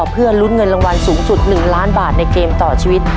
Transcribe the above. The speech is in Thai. เพื่อลุ้นเงินรางวัลสูงสุด๑ล้านบาทในเกมต่อชีวิต